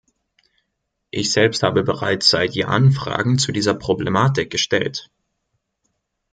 Ich selbst habe bereits seit Jahren Fragen zu dieser Problematik gestellt.